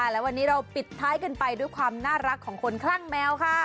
และวันนี้เราปิดท้ายกันไปด้วยความน่ารักของคนคลั่งแมวค่ะ